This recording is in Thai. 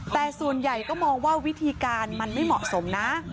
แต่ส่วนใหญ่ก็มองว่าวิธีการมันไม่เหมาะสมนะ